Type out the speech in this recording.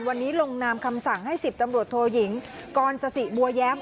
วันนี้ลงนามคำสั่งให้๑๐ตำรวจโทยิงกรสสิบัวแย้ม